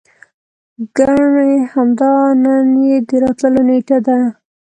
ګني همدا نن يې د راتللو نېټه ده.